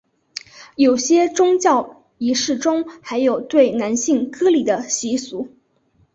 有些宗教仪式中还有对男性割礼的习俗。